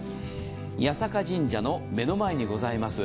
八坂神社の目の前にございます。